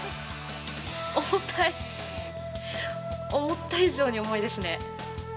重たい、思った以上に重いですね。